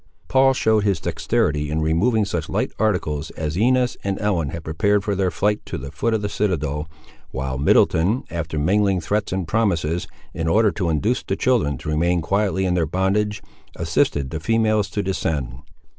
Paul showed his dexterity in removing such light articles as Inez and Ellen had prepared for their flight to the foot of the citadel, while Middleton, after mingling threats and promises, in order to induce the children to remain quietly in their bondage, assisted the females to descend.